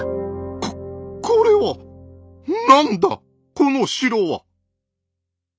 ここれは何だこの城は。